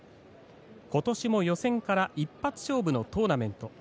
ことしも予選から一発勝負のトーナメント